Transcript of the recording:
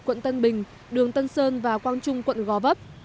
quận tân bình đường tân sơn và quang trung quận gò vấp